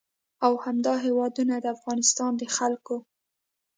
او همدا هېوادونه د افغانستان د خلکو